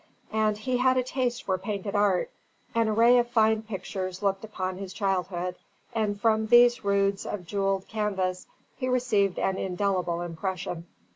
And he had a taste for painted art. An array of fine pictures looked upon his childhood, and from these roods of jewelled canvas he received an indelible impression.